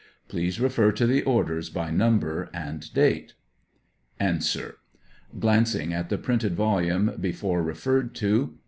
Please refer to the orders by number and 73 A. (Glancing at the printed volume before referred to.)